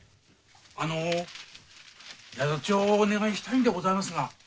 あの宿帳をお願いしたいんでございますが。